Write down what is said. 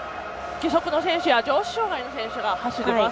義足の選手や上肢障がいの選手が走ります。